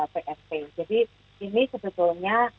psp jadi ini sebetulnya